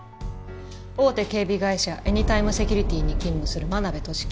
大手警備会社エニタイム・セキュリティに勤務する真鍋俊樹。